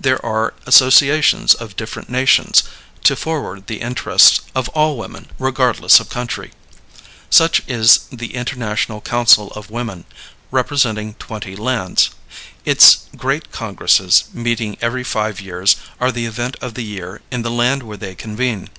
There are associations of different nations to forward the interests of all women regardless of country. Such is the International Council of Women, representing twenty lands. Its great congresses, meeting every five years, are the event of the year in the land where they convene.